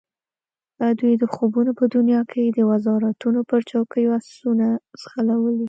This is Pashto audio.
دوی د خوبونو په دنیا کې د وزارتونو پر چوکیو آسونه ځغلولي.